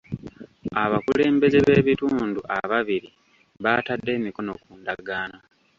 Abakulembeze b'ebitundu ababiri baatadde emikono ku ndagaano.